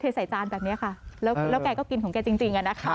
เทใส่จานแบบนี้ค่ะแล้วแกก็กินของแกจริง